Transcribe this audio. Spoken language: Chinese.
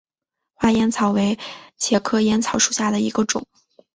花烟草为茄科烟草属下的一个种。